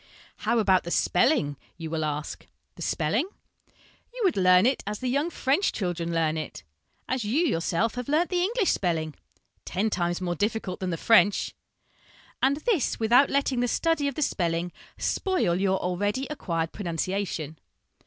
' How about the spelling ?' you will ask. The spelling ? You would learn it as the young French children learn it, as you yourself have learnt the English spelling, ten times more difficult than the French ; and this without letting the study of the spelling spoil your already acquired pronunciation.